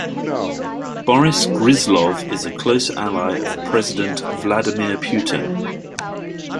Boris Gryzlov is a close ally of President Vladimir Putin.